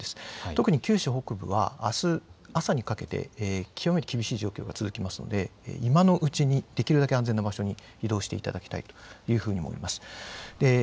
特に九州北部はあす朝にかけて、極めて厳しい状況が続きますので、今のうちにできるだけ安全な場所に移動していただきたいというふうに思います。